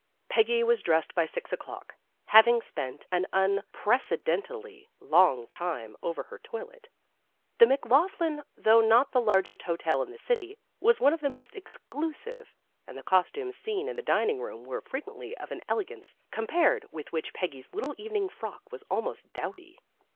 Peggy was dressed by six o'clock, having spent an unprecedentedly long time over her toilet. The McLaughlin, though not the largest hotel in the city, was one of the most exclu sive, and the costumes seen in the dining room were frequently of an elegance compared with which Peggy's little evening frock was almost dowdy.